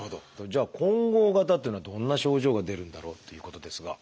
じゃあ混合型というのはどんな症状が出るんだろうっていうことですが。